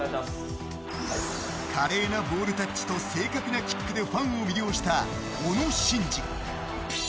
華麗なボールタッチと正確なキックでファンを魅了した小野伸二。